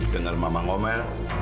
dengar mama ngomel